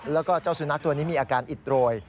แล้วก็เจ้าสุนัขตัวนี้มีอาการอิดโรย